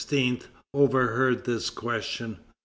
overheard this question.